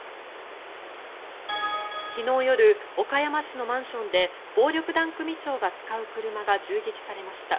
昨日夜、岡山市のマンションで暴力団組長が使う車が銃撃されました。